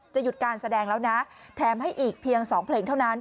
หยุดการแสดงแล้วนะแถมให้อีกเพียง๒เพลงเท่านั้น